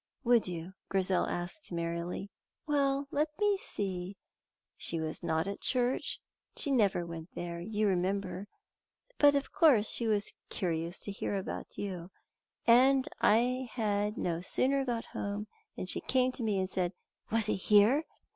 "Would you?" Grizel asked merrily. "Well, let me see. She was not at church she never went there, you remember; but of course she was curious to hear about you, and I had no sooner got home than she came to me and said, 'Was he there?'